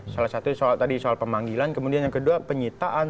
salah satu tadi soal pemanggilan kemudian yang kedua penyitaan